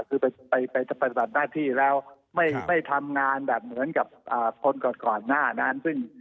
คือไปปฏิบัติหน้าที่แล้วไม่ทำงานแบบเหมือนกับคนก่อนหน้านั้น